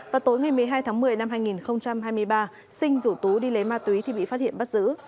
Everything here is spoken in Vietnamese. vào tối ngày một mươi hai tháng một mươi năm hai nghìn hai mươi ba sinh rủ tú đi lấy ma túy thì bị phát hiện bắt giữ